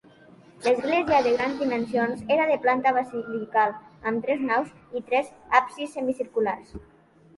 L'església, de grans dimensions, era de planta basilical, amb tres naus i tres absis semicirculars.